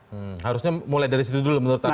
harusnya mulai dari situ dulu menurut anda